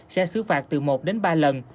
sẽ xử phạt từ một đến ba lần